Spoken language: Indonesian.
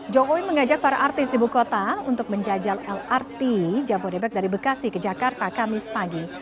jokowi mengajak para artis ibu kota untuk menjajal lrt jabodebek dari bekasi ke jakarta kamis pagi